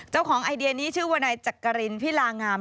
ไอเดียนี้ชื่อว่านายจักรินพิลางาม